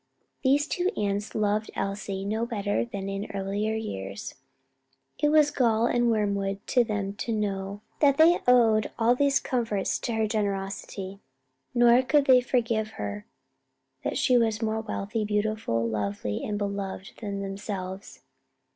These two aunts loved Elsie no better than in earlier years: it was gall and wormwood to them to know that they owed all these comforts to her generosity; nor could they forgive her that she was more wealthy, beautiful, lovely and beloved than themselves.